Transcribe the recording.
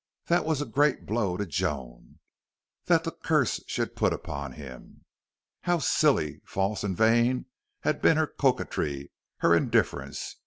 That was a great blow to Joan that the curse she had put upon him. How silly, false, and vain had been her coquetry, her indifference!